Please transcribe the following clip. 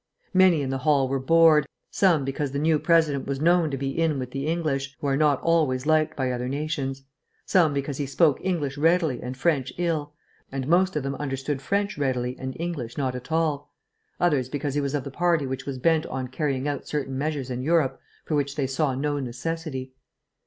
Many in the hall were bored, some because the new President was known to be in with the English, who are not always liked by other nations; some because he spoke English readily and French ill, and most of them understood French readily and English not at all; others because he was of the party which was bent on carrying out certain measures in Europe for which they saw no necessity.